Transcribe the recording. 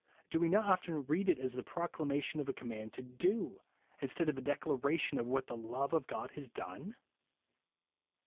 Do we not often read it as the proclamation of a command to do, in stead of a declaration of what the love of God has done